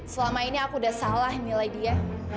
selama ini aku udah salah nilai dia